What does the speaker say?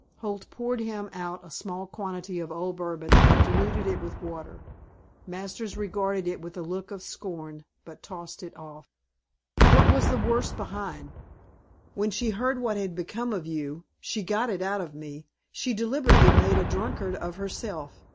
Holt poured him out a small quantity of old Bourbon and diluted it with water. Masters regarded it with a look of scorn but tossed it off. "What was the worse behind?" "When she heard what had become of you she got it out of me she deliberately made a drunkard of herself.